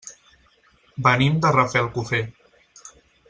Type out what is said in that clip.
Venim de Rafelcofer.